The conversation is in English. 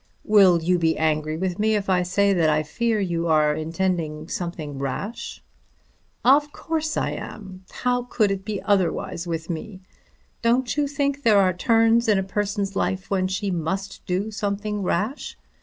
"Will you be angry with me if I say that I fear you are intending something rash?" "Of course I am. How could it be otherwise with me? Don't you think there are turns in a person's life when she must do something rash.